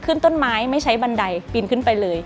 ขึ้นต้นไม้ไม่ใช้บันไดปีนขึ้นไปเลย